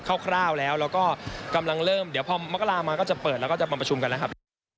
คร่าวแล้วแล้วก็กำลังเริ่มเดี๋ยวพอมกรามาก็จะเปิดแล้วก็จะมาประชุมกันแล้วครับ